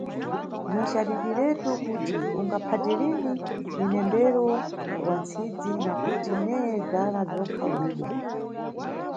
Ni cadidiretu kuti ungaphate lini mnembero wa ntsidzi, nakuti neye bzala bzokha ulibe!